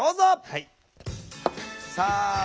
はい。